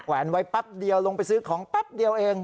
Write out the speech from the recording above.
แวนไว้แป๊บเดียวลงไปซื้อของแป๊บเดียวเอง